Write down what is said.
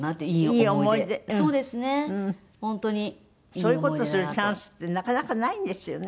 そういう事をするチャンスってなかなかないんですよね。